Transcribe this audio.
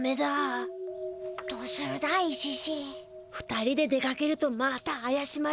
２人で出かけるとまたあやしまれるだ。